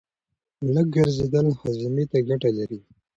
لږ ګرځېدل هاضمې ته ګټه لري.